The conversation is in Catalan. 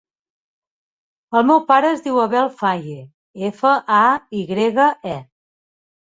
El meu pare es diu Abel Faye: efa, a, i grega, e.